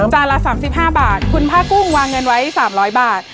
จานละ๓๕บาทคุณผ้ากุ้งวางเงินไว้๓๐๐บาท